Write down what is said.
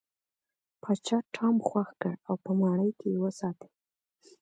پاچا ټام خوښ کړ او په ماڼۍ کې یې وساته.